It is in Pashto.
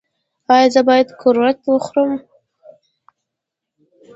ایا زه باید قروت وخورم؟